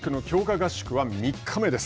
合宿は３日目です。